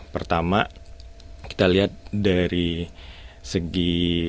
pertama kita lihat dari segi